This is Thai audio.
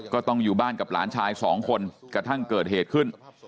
ก็ต้องอยู่บ้านกับหลานชายสองคนกระทั่งเกิดเหตุขึ้น